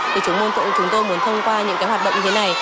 thì chúng tôi muốn thông qua những cái hoạt động như thế này